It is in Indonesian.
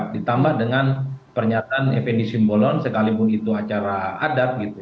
ditambah dengan pernyataan fnd simbolon sekalipun itu acara adat gitu